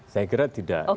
saya kira tidak